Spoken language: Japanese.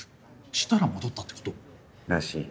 したら戻ったってこと？らしい。